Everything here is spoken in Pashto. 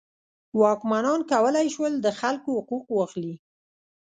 واکمنان کولی شول د خلکو حقوق واخلي.